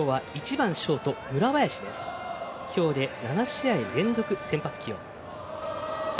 今日は１番ショート村林、７試合連続先発起用。